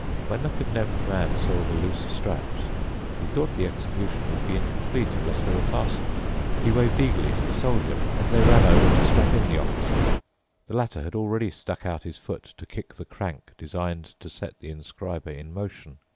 When the Condemned Man saw the loose straps, he thought the execution would be incomplete unless they were fastened. He waved eagerly to the Soldier, and they ran over to strap in the Officer. The latter had already stuck out his foot to kick the crank designed to set the inscriber in motion.